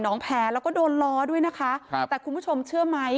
น้องแพ้แล้วก็โดนล้อด้วยนะคะแต่คุณผู้ชมเชื่อไหม